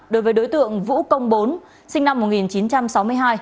đối với đối tượng vũ công bốn sinh năm một nghìn chín trăm sáu mươi hai